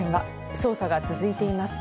捜査が続いています。